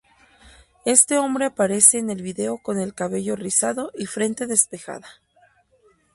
Este hombre aparece en el video con el cabello rizado y frente despejada.